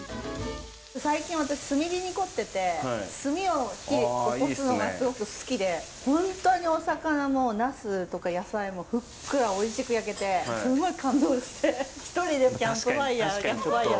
最近私炭火に凝ってて炭を火でおこすのがすごく好きで本当にお魚もなすとか野菜もふっくらおいしく焼けてすごい感動して一人でキャンプファイアキャンプファイアとかやって。